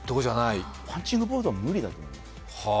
パンチングボードは無理だと思うよ。